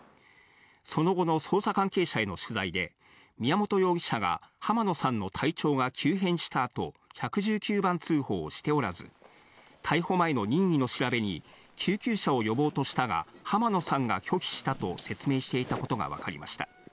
その後の捜査関係者への取材で、宮本容疑者が浜野さんの体調が急変したあと１１９番通報をしておらず、逮捕前の任意の調べに、救急車を呼ぼうとしたが、浜野さんが拒否したと説明していたことがわかりました。